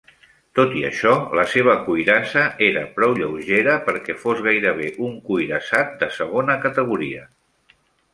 Tot i això, la seva cuirassa era prou lleugera perquè fos gairebé un cuirassat de segona categoria.